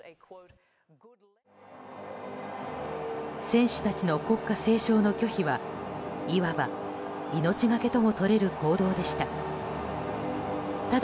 選手たちの国歌斉唱の拒否はいわば命がけともとれる行動でした。